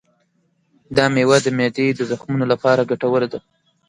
دا مېوه د معدې د زخمونو لپاره ګټوره ده.